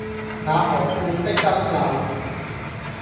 那河畔的金柳